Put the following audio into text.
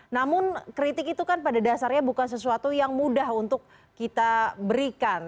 namun kritik itu kan pada dasarnya bukan sesuatu yang mudah untuk kita berikan